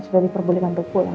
sudah diperbolehkan berpulang